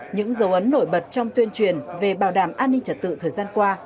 những dấu ấn nổi bật trong tuyên truyền về bảo đảm an ninh trật tự thời gian qua